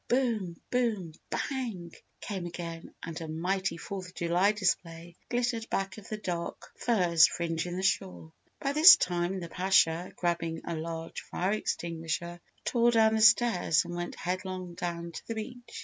"Boom! Boom! Bang!" came again and a mighty Fourth of July display glittered back of the dark firs fringing the shore. By this time, the Pasha, grabbing a large fire extinguisher, tore down the stairs and went headlong down to the beach.